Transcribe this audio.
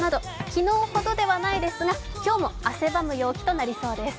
昨日ほどではないですが今日も汗ばむ陽気となりそうです。